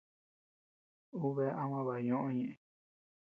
Ú bea ama baʼa nóʼo ñeʼé.